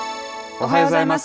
おはようございます。